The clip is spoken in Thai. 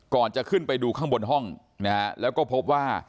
ก่อนจะขึ้นไปดูข้างบนห้องนะฮะแล้วก็พบว่า